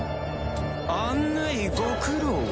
案内ご苦労。